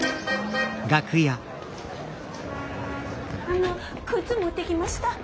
あの靴持ってきました。